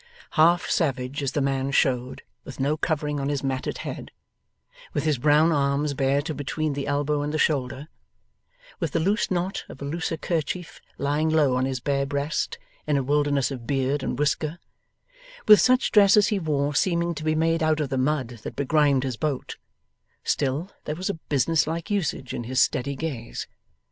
Half savage as the man showed, with no covering on his matted head, with his brown arms bare to between the elbow and the shoulder, with the loose knot of a looser kerchief lying low on his bare breast in a wilderness of beard and whisker, with such dress as he wore seeming to be made out of the mud that begrimed his boat, still there was a business like usage in his steady gaze.